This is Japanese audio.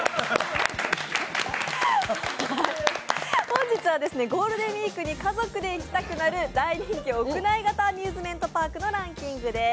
本日はゴールデンウイークに家族で行きたくなる大人気屋内型アミューズメントパークのランキングです。